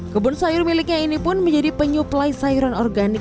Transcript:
kebun sayur miliknya ini pun menjadi penyuplai sayuran organik